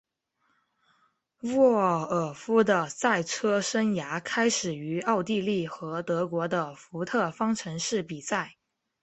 沃尔夫的赛车生涯开始于奥地利和德国的福特方程式比赛。